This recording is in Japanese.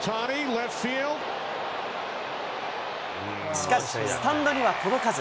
しかし、スタンドには届かず。